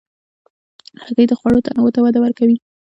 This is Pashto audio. هګۍ د خوړو تنوع ته وده ورکوي.